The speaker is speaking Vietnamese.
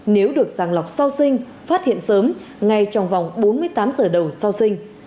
nếu được sàng lọc sơ sinh phát hiện sớm ngay trong vòng bốn mươi tám giờ đầu sơ sinh